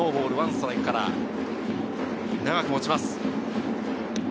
ストライクから長く持ちます。